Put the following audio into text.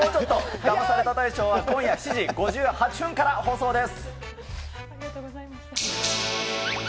ダマされた大賞は今夜７時５８分から放送です。